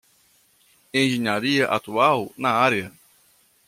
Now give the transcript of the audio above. Engenharia atual na área